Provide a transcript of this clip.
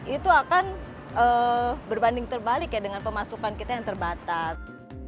itu akan berbanding terbalik ya dengan pemasukan kita yang terbatas